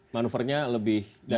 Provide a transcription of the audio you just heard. manuvernya lebih dasar